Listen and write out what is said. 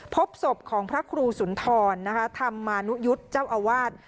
พบศพของพระครูสุนทรธรรมานุยุทธ์เจ้าอาวาส